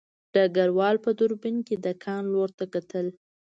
ډګروال په دوربین کې د کان لور ته کتل